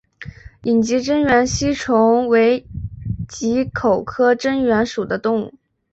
隐棘真缘吸虫为棘口科真缘属的动物。